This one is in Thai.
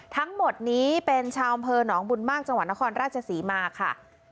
ทั้งหมดนี้เป็นชาวอำเภอหนองบุญมากจังหวัดนครราชศรีมาค่ะ